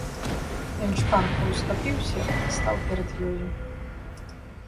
Ён шпарка ўсхапіўся і стаў перад ёю.